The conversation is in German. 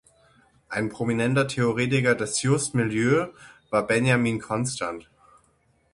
Ein prominenter Theoretiker des "Juste Milieu" war Benjamin Constant.